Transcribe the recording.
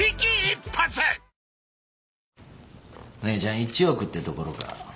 姉ちゃん１億ってところか。